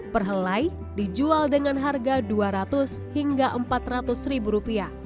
perhelai dijual dengan harga dua ratus hingga empat ratus ribu rupiah